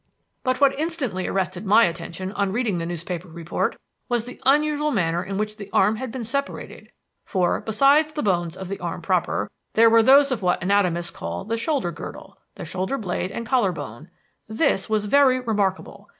"But what instantly arrested my attention on reading the newspaper report was the unusual manner in which the arm had been separated; for, besides the bones of the arm proper, there were those of what anatomists call the 'shoulder girdle' the shoulder blade and collar bone. This was very remarkable.